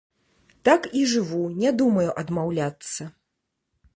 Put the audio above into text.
Так і жыву, не думаю адмаўляцца.